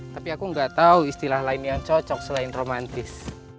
tapi aku nggak tahu istilah lain yang cocok selain romantis